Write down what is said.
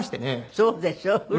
そうでしょう。